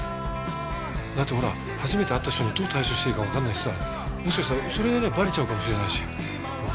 だってほら初めて会った人にどう対処していいかわからないしさもしかしたらそれでねバレちゃうかもしれないし。